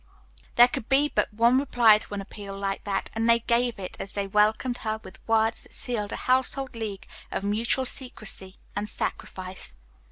There could be but one reply to an appeal like that, and they gave it, as they welcomed her with words that sealed a household league of mutual secrecy and sacrifice.